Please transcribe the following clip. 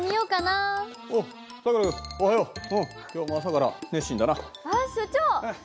あっ所長！